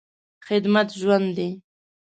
خدمت ژوند دی.